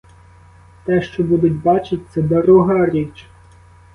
Те, що будуть бачить, це друга річ.